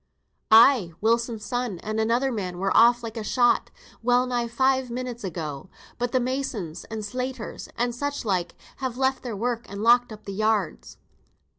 "Ay, Wilson's son and another man were off like a shot, well nigh five minute agone. But th' masons, and slaters, and such like, have left their work, and locked up the yards."